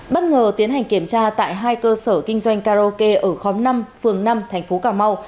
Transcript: bất ngờ tiến hành kiểm tra tại hai cơ sở kinh doanh karaoke ở khóm năm phường năm thành phố cà mau